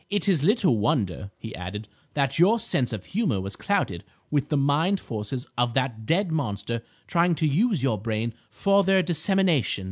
It is little wonder," he added, "that your sense of humour was clouded, with the mind forces of that dead monster trying to use your brain for their dissemination.